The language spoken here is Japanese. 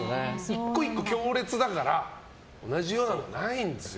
１個１個、強烈だから同じようなものないんですよ。